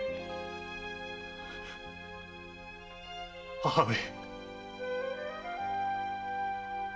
母上。